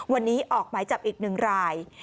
วันนี้ออกหมายจับอีก๑ราย